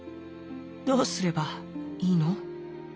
「どうすればいいの？」。